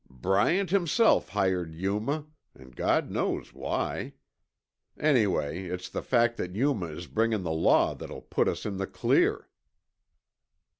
"Bryant himself hired Yuma, an' God knows why. Anyway, it's the fact that Yuma is bringin' the law that'll put us in the clear."